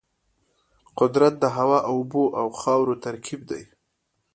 قدرت د هوا، اوبو او خاورو ترکیب دی.